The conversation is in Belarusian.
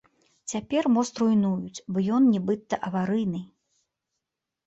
Цяпер мост руйнуюць, бо ён нібыта аварыйны.